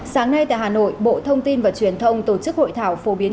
sáng nay tại hà nội bộ thông tin và truyền thông tổ chức hội thảo phổ biến